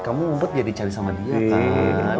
kamu ngumpet biar dicari sama dia kan